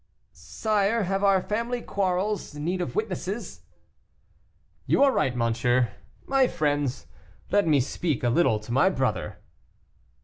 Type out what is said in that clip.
"Sire, have our family quarrels need of witnesses?" "You are right, monsieur. My friends, let me speak a little to my brother."